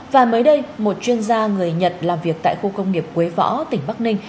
và mới đây một chuyên gia người nhật làm việc tại khu công nghiệp quế võ tỉnh bắc ninh